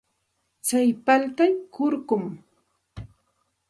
Tsay paltay kurkum.